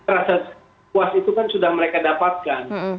rasa puas itu kan sudah mereka dapatkan